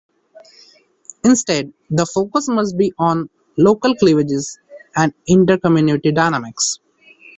Instead, the focus must be on "local cleavages and intracommunity dynamics".